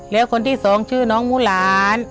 แล้วคนที่สองชื่อน้องมูหลาน